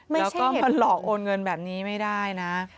แล้วก็มาหลอกโอนเงินแบบนี้ไม่ได้นะ